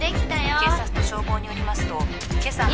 警察と消防によりますと優！